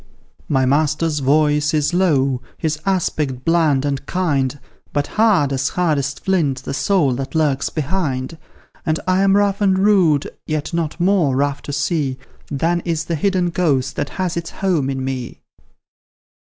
"My master's voice is low, his aspect bland and kind, But hard as hardest flint the soul that lurks behind; And I am rough and rude, yet not more rough to see Than is the hidden ghost that has its home in me."